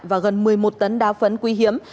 và gần một mươi một tấn đá phấn quý hiếm